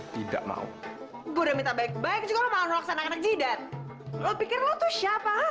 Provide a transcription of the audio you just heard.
tidak mau udah minta baik baik juga mau laksanakan tidak lo pikir lo tuh siapa